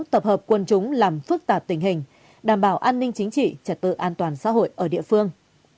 tập hợp quân chúng làm phức tạp tình hình đảm bảo an ninh chính trị trật tự an toàn xã hội ở địa phương